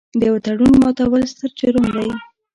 د یوه تړون ماتول ستر جرم دی.